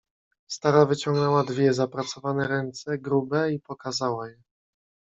"Stara wyciągnęła dwie zapracowane ręce grube i pokazała je."